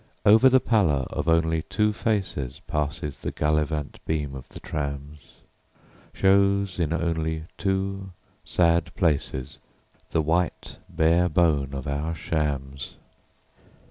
Over the pallor of only two facesPasses the gallivant beam of the trams; Shows in only two sad placesThe white bare bone of our shams.